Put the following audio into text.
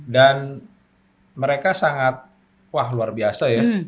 dan mereka sangat wah luar biasa ya